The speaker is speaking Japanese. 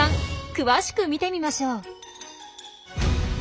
詳しく見てみましょう。